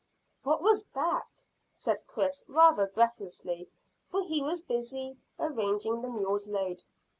"What was that?" said Chris, rather breathlessly, for he was busy arranging the mule's load.